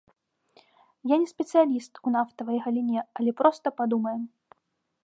Я не спецыяліст у нафтавай галіне, але проста падумаем.